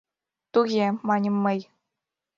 — Туге, — маньым мый.